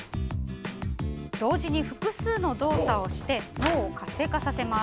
同時に複数の動作をして脳を活性化させます。